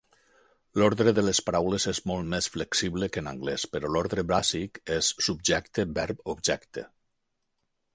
L"ordre de les paraules és molt més flexible que en anglès, però l"ordre bàsic és subjecte-verb-objecte.